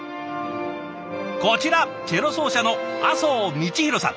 こちらチェロ奏者の阿相道広さん。